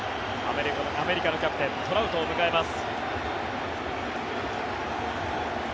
アメリカのキャプテントラウトを迎えます。